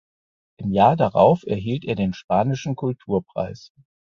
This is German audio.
Im Jahr darauf erhielt er den Spanischen Kulturpreis.